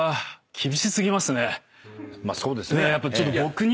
まあそうですね。